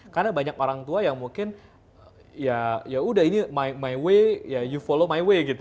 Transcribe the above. karena banyak orang tua yang mungkin ya sudah ini my way you follow my way